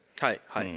はい。